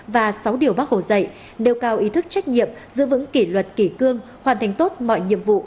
và sáu điều bác hồ dạy nêu cao ý thức trách nhiệm giữ vững kỷ luật kỷ cương hoàn thành tốt mọi nhiệm vụ